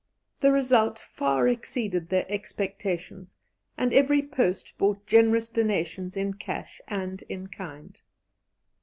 The result far exceeded their expectations, and every post brought generous donations in cash and in kind.